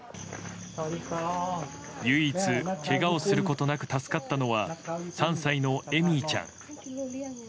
唯一けがをすることなく助かったのは３歳のエミーちゃん。